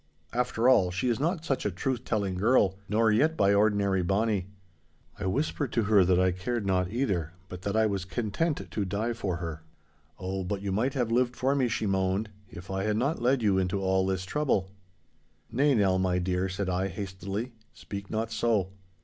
After all, she is not such a truth telling girl, nor yet by ordinary bonny.' I whispered to her that I cared not either, but that I was content to die for her. 'Oh, but you might have lived for me,' she moaned, 'if I had not led you into all this trouble.' 'Nay, Nell, my dear,' said I, hastily, 'speak not so.